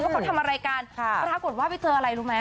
ว่าเขาทำอะไรกันปรากฏว่าไปเจออะไรรู้ไหม